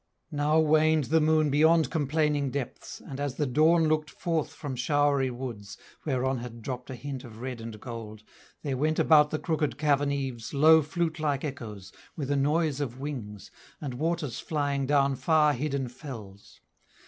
Now waned the moon beyond complaining depths, And as the dawn looked forth from showery woods (Whereon had dropped a hint of red and gold) There went about the crooked cavern eaves Low flute like echoes, with a noise of wings, And waters flying down far hidden fells.